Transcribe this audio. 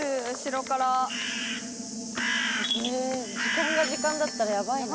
え時間が時間だったらヤバいな。